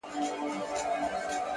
خو يو ځل بيا وسجدې ته ټيټ سو ـ